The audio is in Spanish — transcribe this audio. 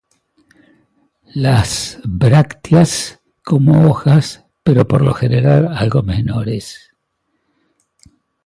Las brácteas como hojas, pero por lo general algo menores.